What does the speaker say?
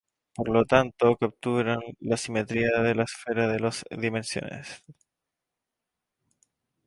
Por lo tanto, capturan la simetría de la esfera de dos dimensiones.